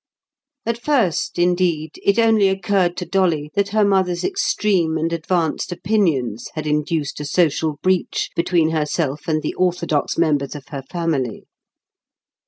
At first, indeed, it only occurred to Dolly that her mother's extreme and advanced opinions had induced a social breach between herself and the orthodox members of her family.